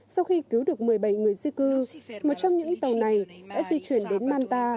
sau khi cứu được một mươi bảy người di cư một trong những tàu này đã di chuyển đến manta